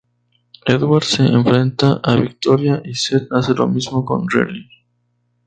Edward se enfrenta a Victoria y Seth hace lo mismo con Riley.